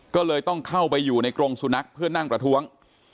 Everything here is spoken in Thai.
ก็เลยต้องเข้าไปอยู่ในกรงสุนัขเพื่อนั่งประท้วง